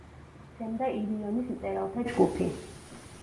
სცემდა „ილიონის“ მწერალთა ჯგუფი.